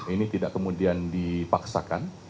ini tidak kemudian dipaksakan